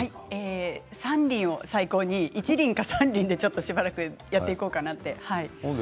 ３輪を最高に１輪か３輪でしばらくやっていこうかなと。